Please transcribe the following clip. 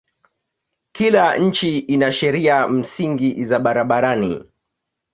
Kila nchi ina sheria msingi za barabarani.